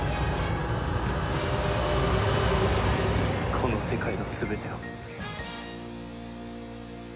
この世界の全てを。